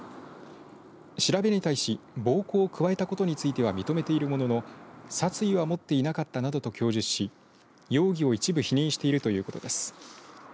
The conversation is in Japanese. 調べに対し、暴行を加えたことについては認めているものの殺意は持っていなかったなどと供述し容疑を一部否認しているということです。